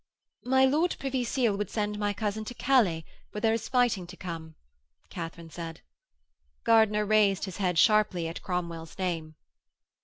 'My Lord Privy Seal would send my cousin to Calais where there is fighting to come,' Katharine said. Gardiner raised his head sharply at Cromwell's name.